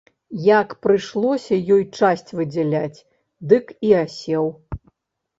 Як прыйшлося ёй часць выдзяляць, дык і асеў.